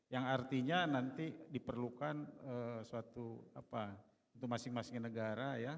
yang artinya nanti diperlukan suatu apa untuk masing masing negara ya